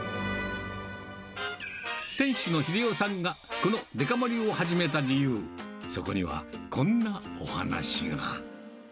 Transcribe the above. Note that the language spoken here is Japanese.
店主の秀夫さんがこのデカ盛りを始めた理由、そこにはこんなお話が。